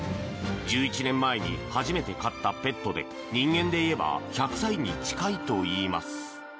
１１年前に初めて飼ったペットで人間でいえば１００歳に近いといいます。